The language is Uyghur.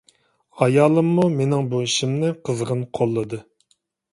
ئايالىممۇ مېنىڭ بۇ ئىشىمنى قىزغىن قوللىدى.